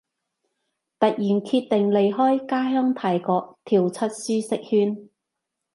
突然決定離開家鄉泰國，跳出舒適圈